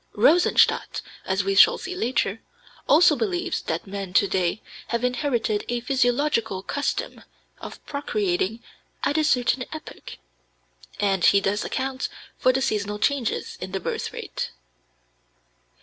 Rosenstadt, as we shall see later, also believes that men to day have inherited a physiological custom of procreating at a certain epoch, and he thus accounts for the seasonal changes in the birthrate.